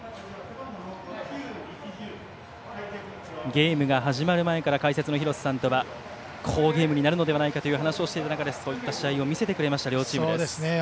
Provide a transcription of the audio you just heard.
ゲームが始まる前から解説の廣瀬さんとは好ゲームになるのではという話をしていた中でそういった試合を見せてくれた両チームです。